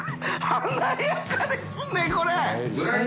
華やかですねこれ。